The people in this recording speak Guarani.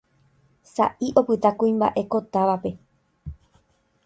sa'i opyta kuimba'e ko távape